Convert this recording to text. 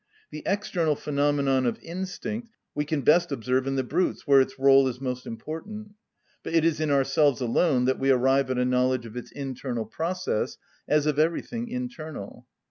The external phenomenon of instinct we can best observe in the brutes where its rôle is most important; but it is in ourselves alone that we arrive at a knowledge of its internal process, as of everything internal.